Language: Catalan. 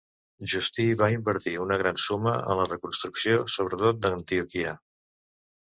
Justí va invertir una gran suma en la reconstrucció sobretot d'Antioquia.